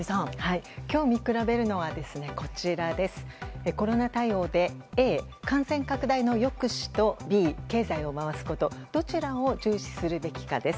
今日見比べるのはコロナ対応でＡ、感染拡大の防止とＢ、経済を回すことどちらを重視するべきかです。